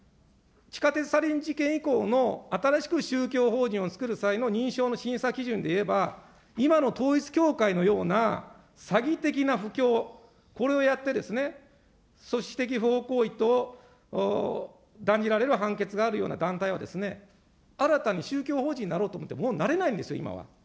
つまりですね、地下鉄サリン事件以降の新しく宗教法人をつくる際の認証の審査基準でいえば、今の統一教会のような詐欺的な布教、これをやってですね、組織的不法行為と断じられる判決があるような団体はですね、新たに宗教法人になろうと思っても、なれないんですよ、今は。